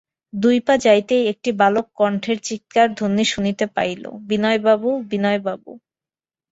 দু পা যাইতেই একটি বালক-কণ্ঠের চীৎকারধ্বনি শুনিতে পাইল, বিনয়বাবু, বিনয়বাবু!